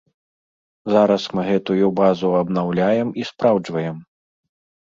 Зараз мы гэтую базу абнаўляем і спраўджваем.